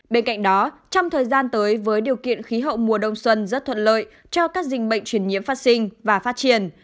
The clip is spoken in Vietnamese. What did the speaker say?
bên cạnh đó trong thời gian tới với điều kiện khí hậu mùa đông xuân rất thuận lợi cho các dịch bệnh truyền nhiễm phát sinh và phát triển